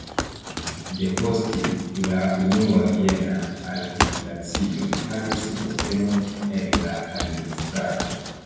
Depost la Unua Viena Arbitracio li havis postenon en la administrado.